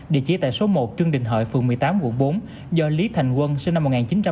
địa chỉ tại số một trương đình hợi phường một mươi tám quận bốn do lý thành quân sinh năm một nghìn chín trăm tám mươi